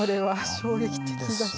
衝撃的だし。